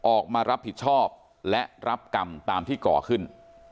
ออกมารับผิดชอบและรับกรรมตามที่ก่อขึ้น